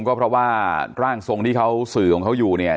ก็เพราะว่าร่างทรงที่เขาสื่อของเขาอยู่เนี่ย